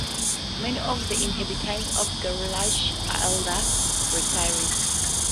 Many of the inhabitants of Gerlach are elderly retirees.